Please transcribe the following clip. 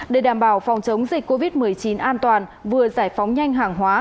để đảm bảo phòng chống dịch covid một mươi chín an toàn vừa giải phóng nhanh hàng hóa